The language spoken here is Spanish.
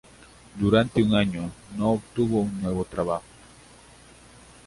Durante un año no obtuvo un nuevo trabajo.